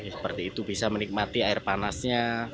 seperti itu bisa menikmati air panasnya